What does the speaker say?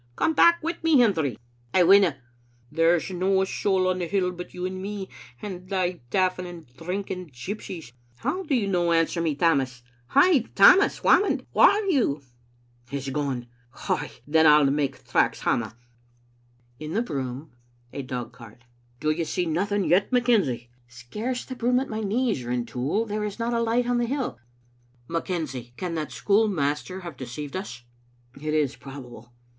Come back wi' me, Hendry." " I winna. There's no a soul on the hill but you and me and thae daffing and drinking gypsies. How do you no answer me, Tammas? Hie, Tammas Whamond, whaur are you? He's gone! Ay, then I'll mak' tracks hame." In the broom — a dogcart: " Do you see nothing yet, McKenzie?" " Scarce the broom at my knees, Rintoul. There is not alight on the hill." " McKenzie, can that schoolmaster have deceived us?" "It is probable."